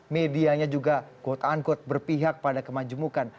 medianya juga berpihak pada kemajemukan